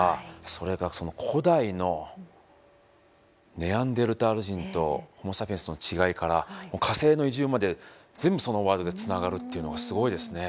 それがその古代のネアンデルタール人とホモ・サピエンスの違いから火星の移住まで全部そのワードでつながるっていうのはすごいですね。